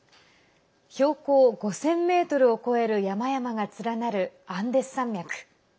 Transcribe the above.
標高５０００ｍを超える山々が連なるアンデス山脈。